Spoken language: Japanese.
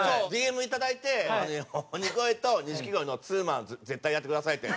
ＤＭいただいて「鬼越と錦鯉のツーマン絶対やってください」って。